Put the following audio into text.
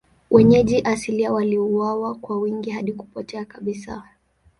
Wenyeji asilia waliuawa kwa wingi hadi kupotea kabisa.